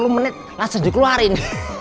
sepuluh menit langsung dikeluarin